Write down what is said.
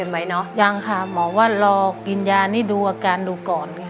คุณยายแดงคะทำไมต้องซื้อลำโพงและเครื่องเสียง